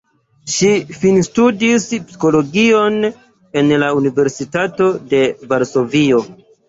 Ŝi finstudis psikologion en la Universitato de Varsovio.